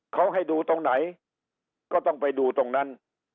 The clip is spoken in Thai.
เขาให้ดูตรงไหนก็ต้องไปดูตรงนั้น